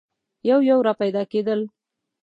یو یو را پیدا کېدل.